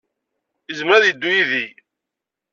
Yezmer ad yeddu yid-i.